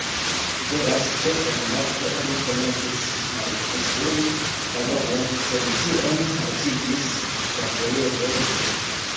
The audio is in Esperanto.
Veras, ke en marto oni komencis malkonstrui la domon, sed tion haltigis la vojevodo.